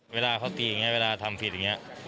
เวลาเขาตีอย่างนี้เวลาทำผิดอย่างนี้